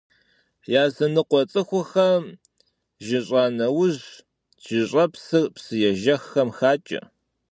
Языныкъуэ цӀыхухэм, жьыщӀа нэужь, жьыщӀэпсыр псыежэххэм хакӀэ.